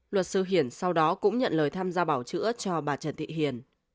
luật sư hiền sau đó cũng nhận lời tham gia bảo chữa cho bà chân thị hiền